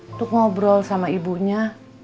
untuk ngobrol sama ibunya